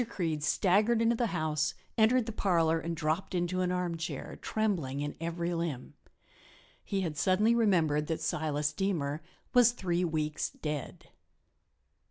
Creede staggered into the house, entered the parlor and dropped into an armchair, trembling in every limb. He had suddenly remembered that Silas Deemer was three weeks dead.